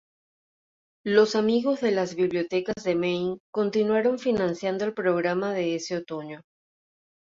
Los amigos de las Bibliotecas de Maine continuaron financiando el programa de ese otoño.